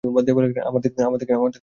আমার থেকে দূরে থাকো!